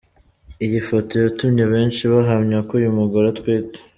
Iyi foto yatumye benshi bahamya ko uyu mugore atwite.